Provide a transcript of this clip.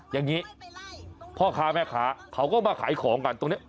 อย่างนี้พ่อค้าแม่ค้าเขาก็มาขายของกันตรงนี้